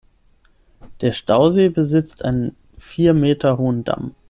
Der Stausee besitzt einen vier Meter hohen Damm.